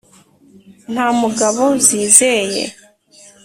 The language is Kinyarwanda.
nta mugabo zizeye,